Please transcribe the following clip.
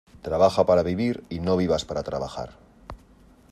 Trabaja para vivir y no vivas para trabajar.